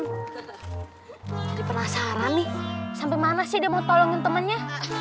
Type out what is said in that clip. jadi penasaran nih sampai mana sih dia mau tolongin temennya